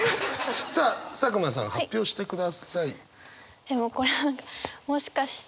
さあ佐久間さん発表してください。